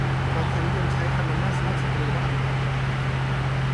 เราเคยนิยมใช้คำนำหน้าสุภาพสตรีว่าอำแดง